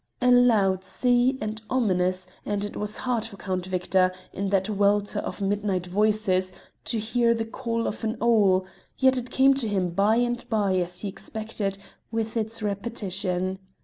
A loud sea and ominous, and it was hard for Count Victor, in that welter of midnight voices, to hear the call of an owl, yet it came to him by and by, as he expected, with its repetition.